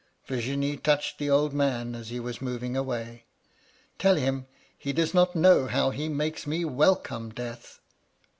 Virginie touched the old man as he was moving away. * Tell him he does not know how he makes me welcome Death.'